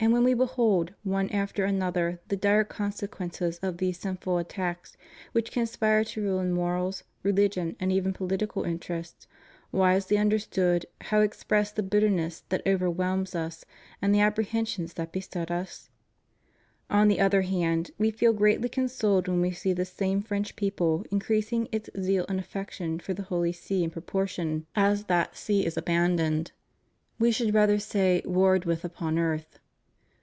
And when We behold, one after another, the dire consequences of these sinful attacks which con spire to ruin morals, religion, and even political interests, wisely understood, how express the bitterness that over whelms Us and the apprehensions that beset Us? On the other hand, We feel greatly consoled when We see this same French people increasing its zeal and af fection for the Holy See in proportion as that See is 249 250 ALLEGIANCE TO THE REPUBLIC. abandoned — We should rather say warred with upon earth.